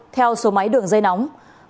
theo số máy đường dây nóng